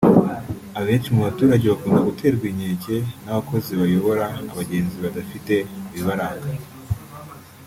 Abenshi mu baturage bakunda guterwa inkeke n’abakozi bayobora abagenzi badafite ibibaranga